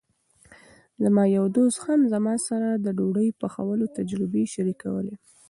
زما یو دوست هم زما سره د ډوډۍ پخولو تجربې شریکولې.